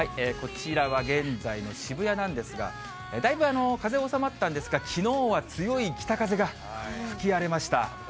こちらは現在の渋谷なんですが、だいぶ風は収まったんですが、きのうは強い北風が吹き荒れました。